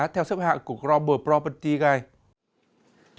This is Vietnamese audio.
theo xếp hạng của global property guide